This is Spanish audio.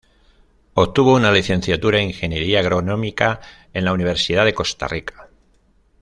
Obtuvo una Licenciatura en Ingeniería Agronómica en la Universidad de Costa Rica.